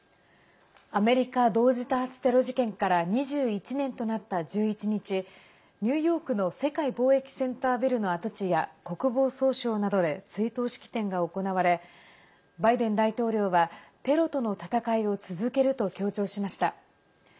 アメリカ同時多発テロ事件から２１年となった１１日ニューヨークの世界貿易センタービルの跡地や国防総省などで追悼式典が行われバイデン大統領はテロとの戦いを続けると強調しました。